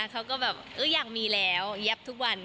แล้วก็แบบอยากมีแล้วยับทุกวัน